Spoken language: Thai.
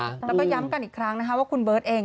แล้วก็ย้ำกันอีกครั้งนะคะว่าคุณเบิร์ตเอง